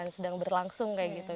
sedang berlangsung kayak gitu